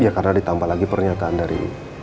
ya karena ditambah lagi pernyataan dari